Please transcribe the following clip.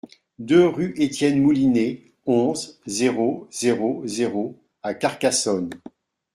deux rue Étienne Moulinié, onze, zéro zéro zéro à Carcassonne